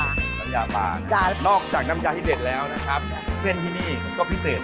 น้ำยาบางนอกจากน้ำยาที่เด็ดแล้วนะครับเส้นที่นี่ก็พิเศษ